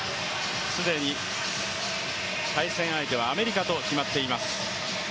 既に対戦相手はアメリカと決まっています。